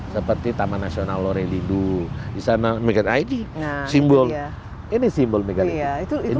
seperti taman nasional loredi ii disana megalitik ini simbol megalitik